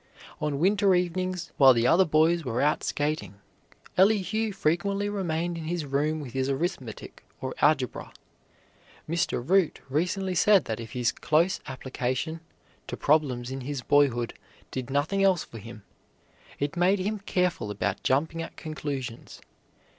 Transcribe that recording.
On winter evenings, while the other boys were out skating, Elihu frequently remained in his room with his arithmetic or algebra. Mr. Root recently said that if his close application to problems in his boyhood did nothing else for him, it made him careful about jumping at conclusions.